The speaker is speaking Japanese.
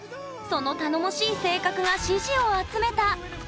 その頼もしい性格が支持を集めた！